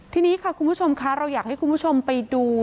ทีนี้ค่ะคุณผู้ชมค่ะเราอยากให้คุณผู้ชมไปดู